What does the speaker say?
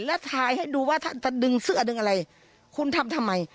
แล้วทายให้ดูว่าท่านจะดึงเสื้อดึงอะไรคุณทำทำไม